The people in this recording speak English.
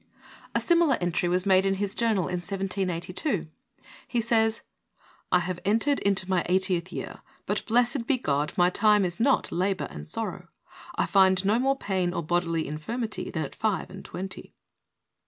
A similar entry was made in his journal in 1782. He says: *T have entered into my eightieth year, but, blessed be God ! my time is not 'labor and sorrow.' I find no more pain or bodily infirmity than at five and twenty."